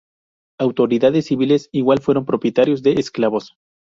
Autoridades civiles igual fueron propietarios de esclavos.